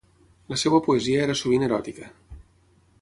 La seva poesia era sovint eròtica.